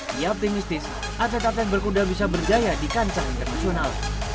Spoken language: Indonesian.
dia optimistis atlet atlet berkuda bisa berjaya di kancah internasional